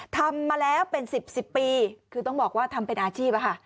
ทำมาแล้วเป็น๑๐๑๐ปีคือต้องบอกว่าทำเป็นอาชีพอะค่ะ